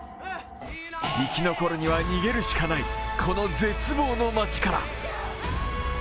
生き残るには逃げるしかないこの絶望の街から。